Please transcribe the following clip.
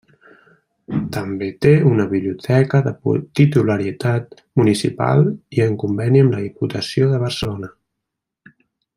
També té una biblioteca de titularitat municipal i en conveni amb la Diputació de Barcelona.